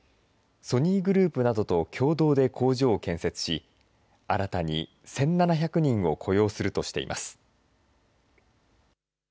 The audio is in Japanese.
ソニーグループなどと共同で工場を建設し、新たに１７００人を雇用するとしています。